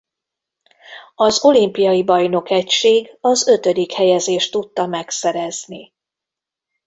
Az olimpiai bajnok egység az ötödik helyezést tudta megszerezni.